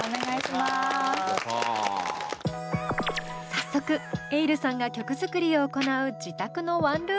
早速ｅｉｌｌさんが曲作りを行う自宅のワンルームを拝見。